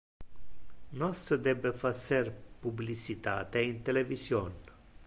Nos debe facer publicitate in television.